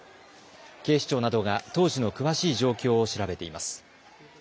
警視庁などが当時の詳しい状況を調べています。